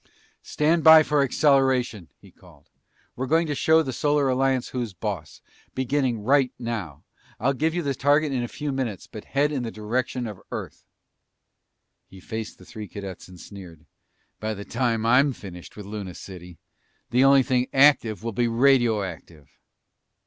"Stand by for acceleration," he called. "We're going to show the Solar Alliance who's boss, beginning right now! I'll give you the target in a few minutes but head in the direction of Earth!" He faced the three cadets and sneered. "By the time I'm finished with Luna City, the only thing active will be radioactive!"